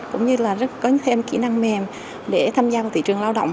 cũng như là có thêm kỹ năng mềm để tham gia vào thị trường lao động